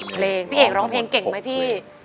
เพลงพี่เอกร้องเพลงเก่งไหมพี่